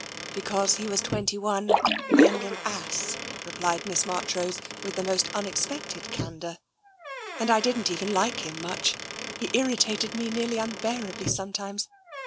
"Because he was twenty one, and an ass," replied Miss Marchrose, with the most unexpected candour. " And I didn't even like him much ; he irritated me nearly imbearably sometimes.